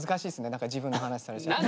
何か自分の話されちゃうと。